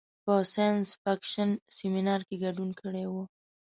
په ساینس فکشن سیمنار کې ګډون کړی و.